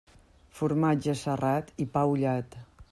Formatge serrat i pa ullat.